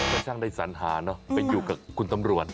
ก็ช่างได้สัญหาเนอะไปอยู่กับคุณตำรวจ